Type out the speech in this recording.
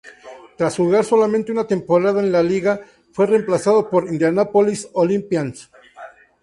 Tras jugar solamente una temporada en la liga, fue reemplazado por Indianapolis Olympians.